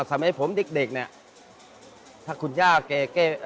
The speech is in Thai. สมัยผมเด็กเด็กเนี้ยถ้าคุณย่าเก้เอ่อ